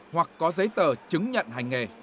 hoặc có giấy tờ chứng nhận hành nghề